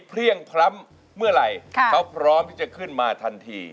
เพลี่ยงพล้ำเมื่อไหร่เขาพร้อมที่จะขึ้นมาทันที